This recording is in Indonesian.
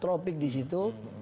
tropik di situ